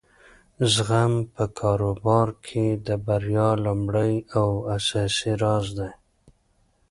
زغم په کاروبار کې د بریا لومړی او اساسي راز دی.